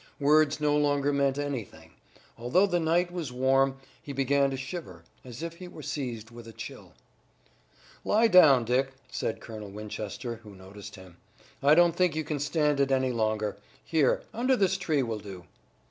Words no longer meant anything. Although the night was warm he began to shiver, as if he were seized with a chill. "Lie down, Dick," said Colonel Winchester, who noticed him. "I don't think you can stand it any longer. Here, under this tree will do."